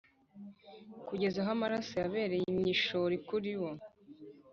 kugeza aho amaraso yabereye imyishori kuri bo